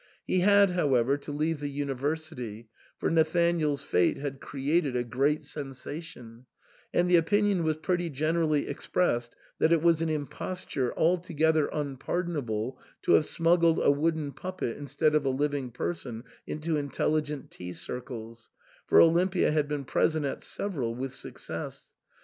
He had, however, to leave the university, for Natha nael's fate had created a great sensation ; and the opin ion was pretty generally expressed that it was an imposture altogether unpardonable to have smuggled a wooden puppet instead of a living person into in telligent tea circles, — for Olimpia had been present at several with success.